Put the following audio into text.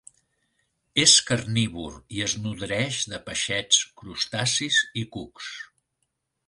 És carnívor i es nodreix de peixets, crustacis i cucs.